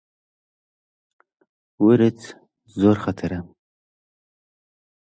ورچ زۆر مەترسیدارە.